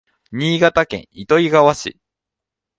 新潟県糸魚川市